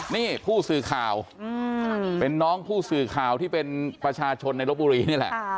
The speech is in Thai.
นี่ผู้สื่อข่าวเป็นน้องผู้สื่อข่าวที่เป็นประชาชนในลบบุรีนี่แหละ